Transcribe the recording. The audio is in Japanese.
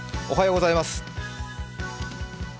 おはようございます